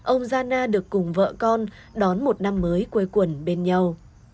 ông gia na được cùng vợ con đón một năm mới quê quần bên nhau